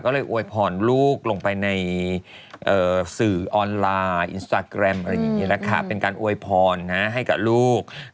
ก็เลยโวยพรลูกลงไปในสื่อออนไลน์อินสตาร์แครมเป็นการโวยพรให้กับลูก